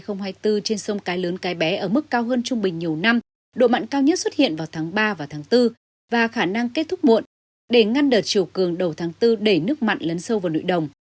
hệ thống thủy lợi cái lớn cái bé ở mức cao hơn trung bình nhiều năm độ mặn cao nhất xuất hiện vào tháng ba và tháng bốn và khả năng kết thúc muộn để ngăn đợt chiều cường đầu tháng bốn để nước mặn lấn sâu vào nội đồng